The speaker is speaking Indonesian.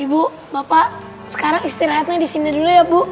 ibu bapak sekarang istirahatnya di sini dulu ya bu